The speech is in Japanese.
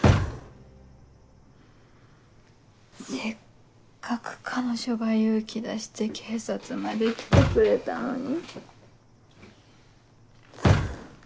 せっかく彼女が勇気出して警察まで来てくれたのに。